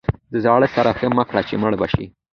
د زاړه سره ښه مه کړه چې مړ به شي.